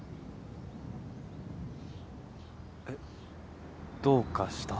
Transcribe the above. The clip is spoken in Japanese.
えっ？どうかした？